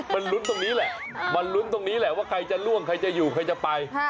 มันลุ้นตรงนี้แหละมันลุ้นตรงนี้แหละว่าใครจะล่วงใครจะอยู่ใครจะไป